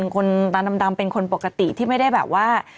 คนตาดำเป็นคนปกติที่ไม่ได้แบบว่า